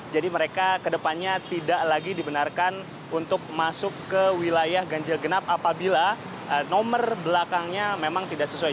jadi mereka ke depannya tidak lagi dibenarkan untuk masuk ke wilayah ganjil genap apabila nomor belakangnya memang tidak sesuai